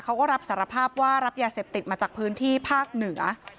เขาก็รับสารภาพว่ารับยาเสพติดมาจากพื้นที่ภาคเหนือ